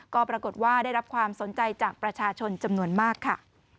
ก็ปรากฏว่าได้รับความสนใจจากประชาชนจำนวนมากค่ะ